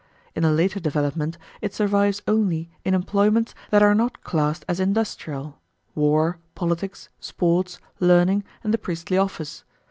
In the later development it survives only in employments that are not classed as industrial, war, politics, sports, learning, and the priestly office.